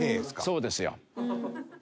そうですよ。